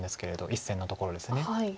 １線のところです。